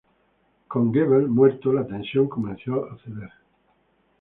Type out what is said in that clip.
Con Goebel muerto, la tensión comenzó a ceder.